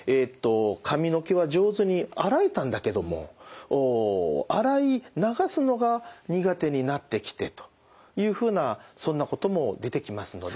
髪の毛は上手に洗えたんだけども洗い流すのが苦手になってきてというふうなそんなことも出てきますので。